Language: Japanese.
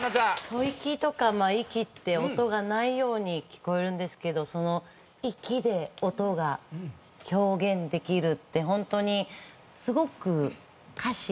吐息とかまあ息って音がないように聞こえるんですけどその息で音が表現できるって本当にすごく歌詞が入ってくる。